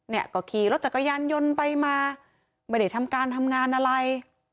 เนี่ยก็ขี่รถจักรยานยนต์ไปมาไม่ได้ทำการทำงานอะไร